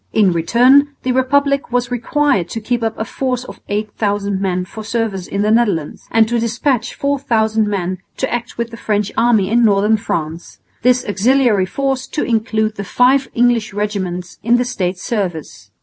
In return the republic was required to keep up a force of 8000 men for service in the Netherlands, and to despatch 4000 men to act with the French army in northern France this auxiliary force to include the five English regiments in the States' service.